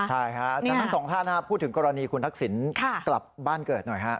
ใช่ค่ะจากนั้นสองท่านพูดถึงกรณีคุณทักศิลป์กลับบ้านเกิดหน่อยค่ะ